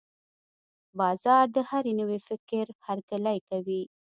بازار د هر نوي فکر هرکلی کوي.